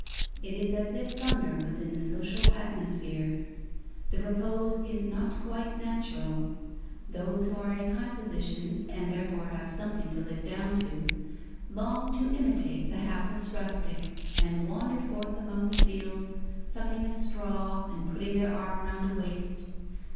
It is as if thunder was in the social atmosphere. The repose is not quite natural. Those who are in high positions, and therefore have something to live down to, long to imitate the hapless rustic, and wander forth among the fields, sucking a straw, and putting their arm round a waist.